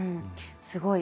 すごい。